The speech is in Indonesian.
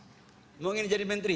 enggak ingin jadi menteri